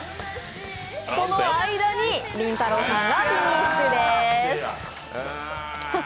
その間に、りんたろーさんがフィニッシュです。